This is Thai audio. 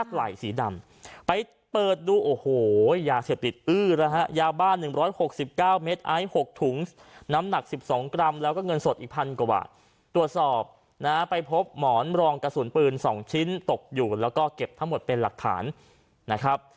หุ้งน้ำหนักสิบสองกรัมแล้วก็เงินสดอีกพันกว่าตรวจสอบนะฮะไปพบหมอนรองกระสุนปืนสองชิ้นตกอยู่แล้วก็เก็บทั้งหมดเป็นหลักฐานนะครับ